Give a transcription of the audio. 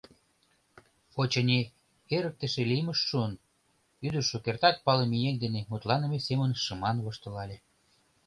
— Очыни, эрыкыште лиймышт шуын? — ӱдыр шукертак палыме еҥ дене мутланыме семын шыман воштылале.